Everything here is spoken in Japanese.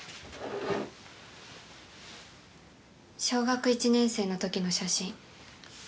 小学１年生の時の写真。